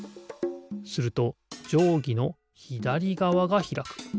するとじょうぎのひだりがわがひらく。